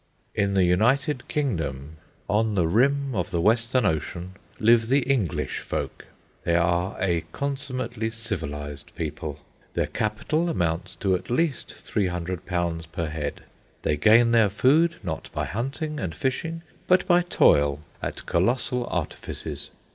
In the United Kingdom, on the rim of the Western Ocean, live the English folk. They are a consummately civilised people. Their capital amounts to at least £300 per head. They gain their food, not by hunting and fishing, but by toil at colossal artifices.